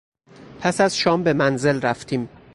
پس از شام به منزل رفتیم.